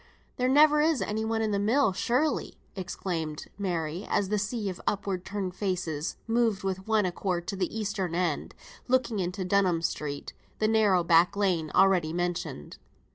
"There never is anyone in the mill, surely!" exclaimed Mary, as the sea of upward turned faces moved with one accord to the eastern end, looking into Dunham Street, the narrow back lane already mentioned.